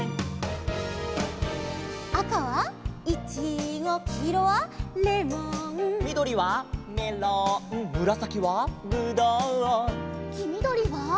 「赤はイチゴきいろはレモン」「みどりはメロンむらさきはブドウ」「きみどりは」